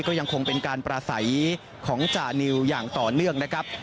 ก็ยังคงเป็นการปราศัยของจานิวอย่างต่อเนื่องนะครับ